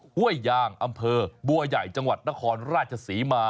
ห้วยยางอำเภอบัวใหญ่จังหวัดนครราชศรีมา